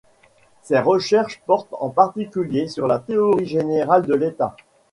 Ses recherches portent en particulier sur la théorie générale de l’État.